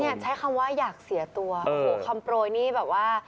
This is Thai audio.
ใช้คำว่าอยากเสียตัวโอ้โหคำโปรยนี่แบบว่า